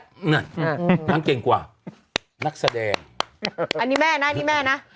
เจอกไปแล้วนั่นเก่งกว่านักแสดงอันนี้แม่น่ะนี่แม่น่ะ